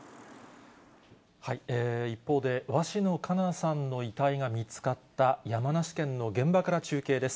一方で、鷲野花夏さんの遺体が見つかった山梨県の現場から中継です。